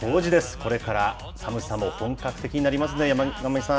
これから寒さも本格的になりますね、山神さん。